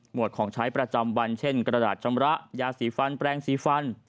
วดของใช้ประจำวันเช่นกระดาษชำระยาสีฟันแปลงสีฟัน